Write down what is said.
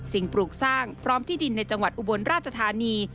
ปลูกสร้างพร้อมที่ดินในจังหวัดอุบลราชธานี